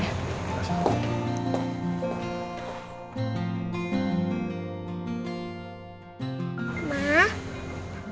terima kasih pak